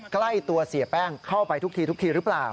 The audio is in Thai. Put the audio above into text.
ใกล้ตัวเสียแป้งเข้าไปทุกทีทุกทีหรือเปล่า